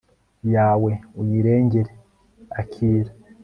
yawe uyirengere, akira